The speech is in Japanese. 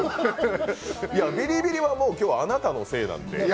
ビリビリは今日あなたのせいなんで。